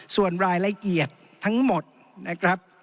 ส่วนรายละเอียดทั้งหมดนะครับ